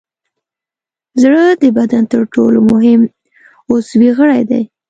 زړه د بدن تر ټولو مهم عضوي غړی دی.